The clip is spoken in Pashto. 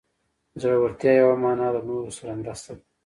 د زړورتیا یوه معنی له نورو سره مرسته ده.